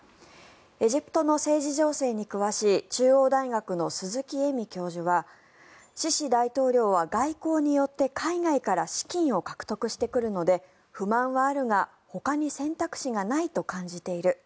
エジプトの政治情勢に詳しい中央大学の鈴木恵美教授はシシ大統領は外交によって海外から資金を獲得してくるので不満はあるがほかに選択肢がないと感じている。